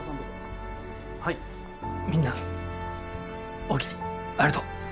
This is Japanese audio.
みんなおおきにありがとう。